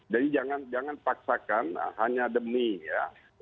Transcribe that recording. jadi jangan paksakan hanya demi ya